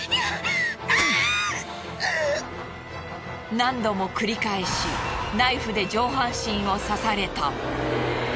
何度も繰り返しナイフで上半身を刺された。